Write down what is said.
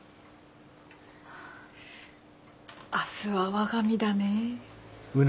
明日は我が身だね。